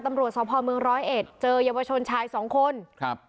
ตำรวจสพเมืองร้อยเอ็ดเจอเยาวชนชายสองคนครับ